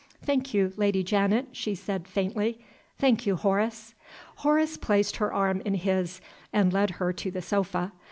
"Thank you, Lady Janet," she said, faintly. "Thank you, Horace." Horace placed her arm in his, and led her to the sofa.